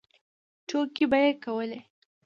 ټوکې به یې کولې.